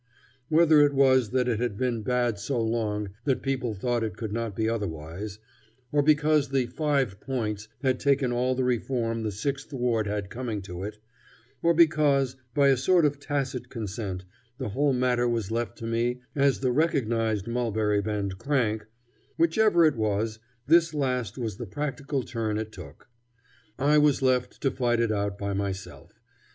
Whether it was that it had been bad so long that people thought it could not be otherwise, or because the Five Points had taken all the reform the Sixth Ward had coming to it, or because, by a sort of tacit consent, the whole matter was left to me as the recognized Mulberry Bend crank whichever it was, this last was the practical turn it took. I was left to fight it out by myself.